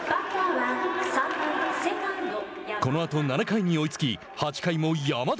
このあと７回に追いつき８回も山田。